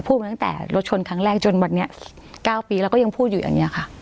มาตั้งแต่รถชนครั้งแรกจนวันนี้๙ปีแล้วก็ยังพูดอยู่อย่างนี้ค่ะ